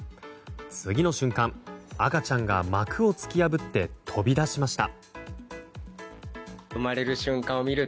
次の瞬間、赤ちゃんが膜を突き破って飛び出しました。